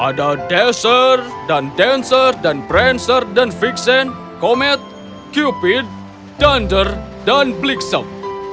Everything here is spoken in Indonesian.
ada dacer dan dancer dan prancer dan fixen komet cupid dunder dan blixum